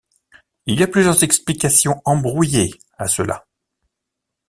Il y a plusieurs explications embrouillées à cela.